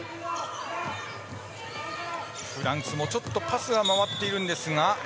フランスも、ちょっとパスは回っているんですが。